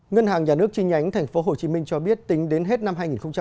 ngân hàng nhà nước chi nhánh tp hcm cho biết tính đến hết năm hai nghìn một mươi chín